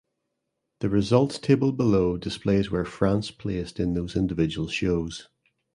The results table below displays where France placed in those individual shows.